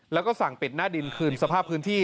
แล้วก็สั่งปิดหน้าดินคืนสภาพพื้นที่